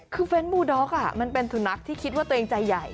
คือเฟ้นมูด็อกมันเป็นสุนัขที่คิดว่าตัวเองใจใหญ่